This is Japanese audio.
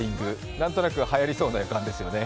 何となくはやりそうな予感ですね。